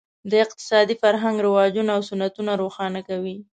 د اقتصادي فرهنګ رواجونه او سنتونه روښانه کوي.